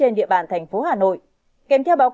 trên địa bàn thành phố hà nội